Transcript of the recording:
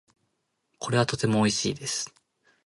これはとても美味しいです。